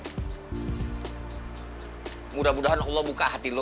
hai mudah mudahan allah buka hati lo